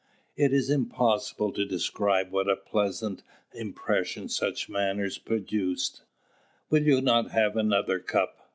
It is impossible to describe what a pleasant impression such manners produce! "Will you not have another cup?"